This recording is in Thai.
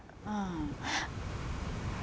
อ่า